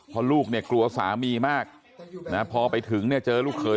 เพราะลูกเนี่ยกลัวสามีมากนะพอไปถึงเนี่ยเจอลูกเขย